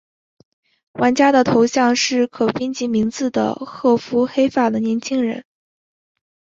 玩家的头像是可编辑名字的褐肤黑发的年轻人。